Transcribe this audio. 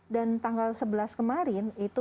dan tanggal sebelas kemarin itu